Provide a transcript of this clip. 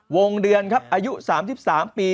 วงเดือนครับอายุ๓๓ปี